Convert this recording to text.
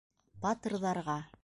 - Батырҙарға.